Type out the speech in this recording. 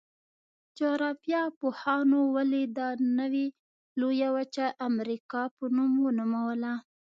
جغرافیه پوهانو ولې دا نوي لویه وچه د امریکا په نوم ونوموله؟